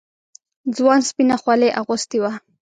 ځوان سپينه خولۍ اغوستې وه.